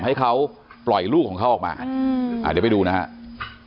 ให้เขาปล่อยลูกของเขาออกมาเดี๋ยวไปดูนะครับ